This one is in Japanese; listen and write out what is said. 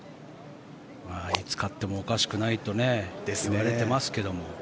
いつ勝ってもおかしくないといわれていますけど。